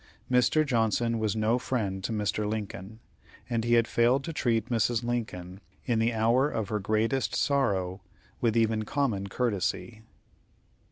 Mr. Johnson was no friend to Mr. Lincoln, and he had failed to treat Mrs. Lincoln, in the hour of her greatest sorrow, with even common courtesy.